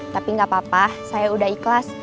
tapi gak papa saya udah ikhlas